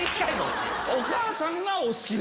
お母さんがお好きで。